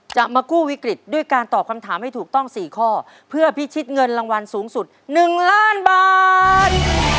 จะมากู้วิกฤตด้วยการตอบคำถามให้ถูกต้อง๔ข้อเพื่อพิชิตเงินรางวัลสูงสุด๑ล้านบาท